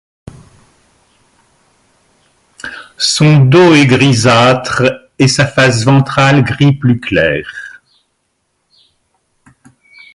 Son dos est grisâtre et sa face ventrale gris plus clair.